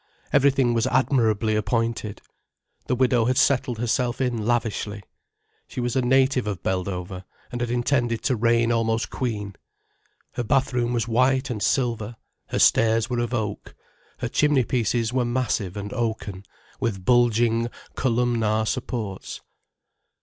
Everything was admirably appointed. The widow had settled herself in lavishly. She was a native of Beldover, and had intended to reign almost queen. Her bathroom was white and silver, her stairs were of oak, her chimney pieces were massive and oaken, with bulging, columnar supports.